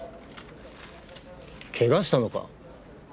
ケガしたのか？